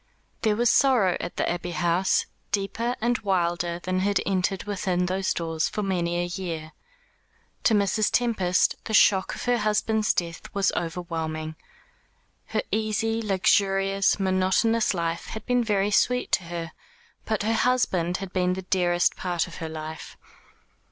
There was sorrow at the Abbey House deeper and wilder than had entered within those doors for many a year. To Mrs. Tempest the shock of her husband's death was overwhelming. Her easy, luxurious, monotonous life had been very sweet to her, but her husband had been the dearest part of her life.